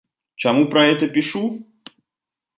Чаму пра гэта пішу?